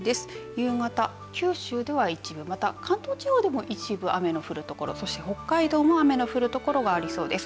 夕方、九州では一部また関東地方でも一部、雨が降る所そして北海道も雨の降る所がありそうです。